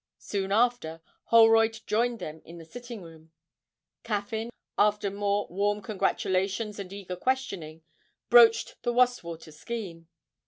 Soon after, Holroyd joined them in the sitting room. Caffyn, after more warm congratulations and eager questioning, broached the Wastwater scheme.